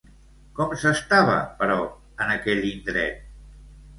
Com s'estava, però, en aquell indret?